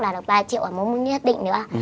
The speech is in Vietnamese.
là được ba triệu ở mống nhất định nữa